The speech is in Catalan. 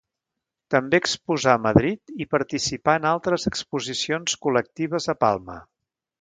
També exposà a Madrid i participà en altres exposicions col·lectives a Palma.